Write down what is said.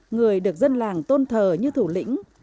người được dân làng tôn thờ như thủ lĩnh